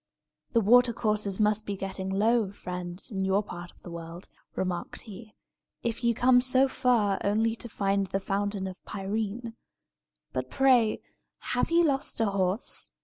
"The watercourses must be getting low, friend, in your part of the world," remarked he, "if you come so far only to find the Fountain of Pirene. But, pray, have you lost a horse?